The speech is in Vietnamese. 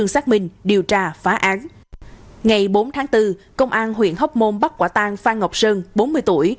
ngày bốn tháng bốn công an huyện hóc môn bắt quả tang phan ngọc sơn bốn mươi tuổi